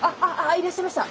いらっしゃいました！